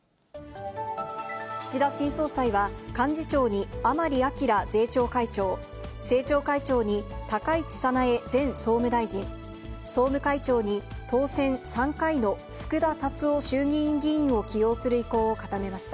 岸田新総裁は、幹事長に甘利明税調会長、政調会長に高市早苗前総務大臣、総務会長に、当選３回の福田達夫衆議院議員を起用する意向を固めました。